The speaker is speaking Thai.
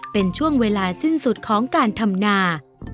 เป็นช่วงเวลาสิ้นสุดของการทำนา